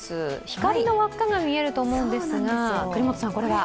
光の輪っかが見えると思うんですが、これは？